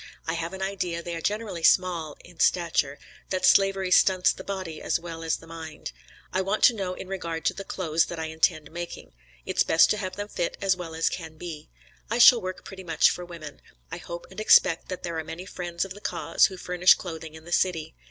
I have an idea they are generally small in stature; that slavery stunts the body as well as mind. I want to know in regard to the clothes that I intend making; it's best to have them fit as well as can be. I shall work pretty much for women. I hope and expect there are many friends of the cause who furnish clothing in the city.